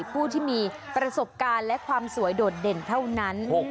ผู้ที่มีประสบการณ์และความสวยโดดเด่นเท่านั้น